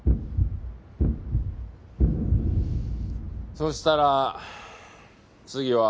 そしたら次は。